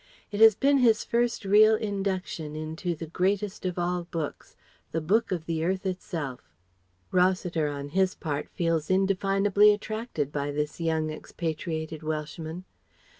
It has been his first real induction into the greatest of all books: the Book of the Earth itself. Rossiter on his part feels indefinably attracted by this young expatriated Welshman.